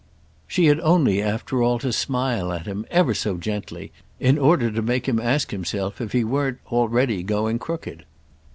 She had only after all to smile at him ever so gently in order to make him ask himself if he weren't already going crooked.